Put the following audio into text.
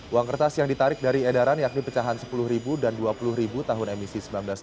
uang kertas yang ditarik dari edaran yakni pecahan sepuluh dan dua puluh ribu tahun emisi seribu sembilan ratus sembilan puluh